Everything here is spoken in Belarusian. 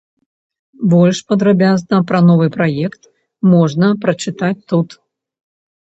Больш падрабязна пра новы праект можна прачытаць тут.